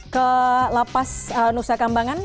ke lapas nusa kambangan